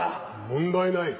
⁉問題ない。